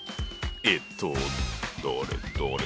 えっとどれどれ。